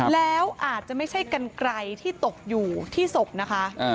แล้วอาจจะไม่ใช่กันไกลที่ตกอยู่ที่ศพนะคะ